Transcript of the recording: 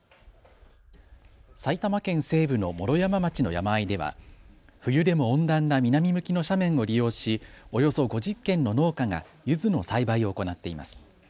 埼玉県西部の毛呂山町の山あいでは冬でも温暖な南向きの斜面を利用しおよそ５０軒の農家がゆずの栽培を行っています。